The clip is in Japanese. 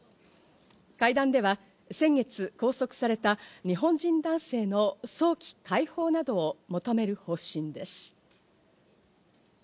会談では先月、拘束された日本人男性の早期解放などを求める方針です。